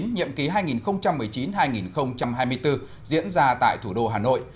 nhiệm ký hai nghìn một mươi chín hai nghìn hai mươi bốn diễn ra tại thủ đô hà nội